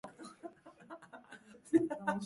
で ｗｆｒｔｔｊ